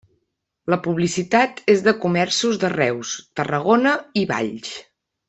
La publicitat és de comerços de Reus, Tarragona i Valls.